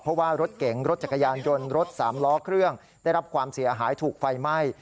เพราะว่ารถเก๋งรถจักรยานยนต์รถสามล้อเครื่องได้รับความเสียหายถูกไฟไหม้